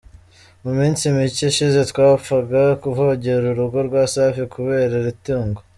Mu minsi mike ishize, ntawapfaga kuvogera urugo rwa Safi kubera iri tungo.